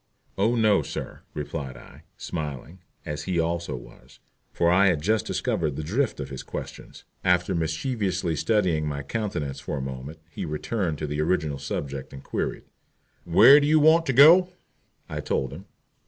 "Oh no, sir," replied I, smiling, as he also was, for I had just discovered the drift of his questions. After mischievously studying my countenance for a moment, he returned to the original subject and queried, "Where do you want to go?" I told him.